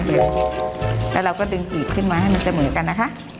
แล้วเราก็ดึงกีบขึ้นมาให้มันเสมอกันนะคะ